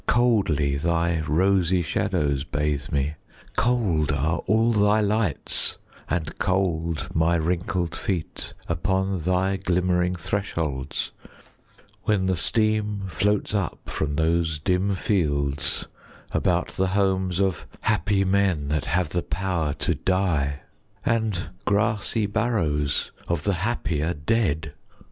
Coldly thy rosy shadows bathe me, cold Are all thy lights, and cold my wrinkled feet Upon thy glimmering thresholds, when the steam Floats up from those dim fields about the homes Of happy men that have the power to die, And grassy barrows of the happier dead.